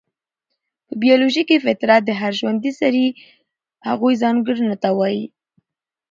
په بيالوژي کې فطرت د هر ژوندي سري هغو ځانګړنو ته وايي،